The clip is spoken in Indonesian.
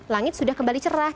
langit sudah kembali cerah